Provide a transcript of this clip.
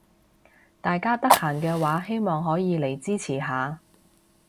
大家得閒嘅話希望可以嚟支持下